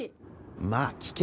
まあ聞け。